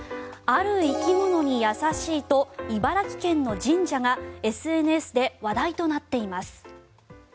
ある生き物に優しいと茨城県の神社がＳＮＳで話題となっています。